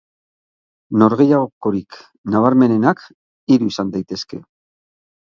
Norgehiagokarik nabarmenenak hiru izan daitezke.